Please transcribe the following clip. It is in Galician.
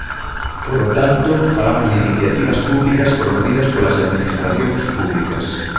Polo tanto, falamos de iniciativas públicas promovidas polas administracións públicas.